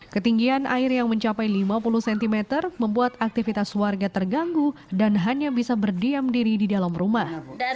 ketinggian air yang mencapai lima puluh cm membuat aktivitas warga terganggu dan hanya bisa berdiam diri di dalam rumah